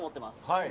はい。